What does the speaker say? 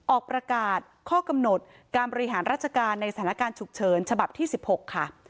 ออกประกาศข้อกำหนดการบริหารราชการในสถานการณ์ฉุกเฉินฉบับที่๑๖ค่ะ